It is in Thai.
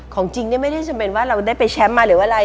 ของจริงนี่ไม่ได้จำเป็นว่าเราได้ไปแชมป์มาหรืออะไร